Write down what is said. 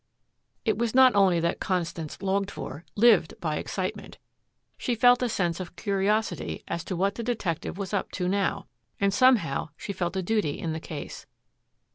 It was not only that Constance longed for, lived by excitement. She felt a sense of curiosity as to what the detective was up to now. And, somehow, she felt a duty in the case.